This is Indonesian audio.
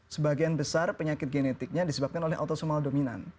sebagian besar penyakit genetiknya disebabkan oleh autosomal dominan